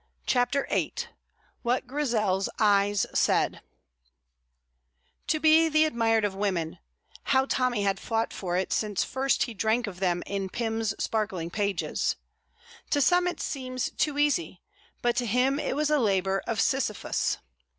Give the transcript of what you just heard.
CHAPTER VIII WHAT GRIZEL'S EYES SAID To be the admired of women how Tommy had fought for it since first he drank of them in Pym's sparkling pages! To some it seems to be easy, but to him it was a labour of Sisyphus.